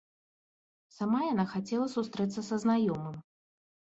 Сама яна хацела сустрэцца са знаёмым.